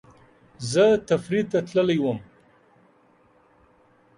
زه تفریح ته تللی وم